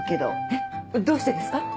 えっどうしてですか？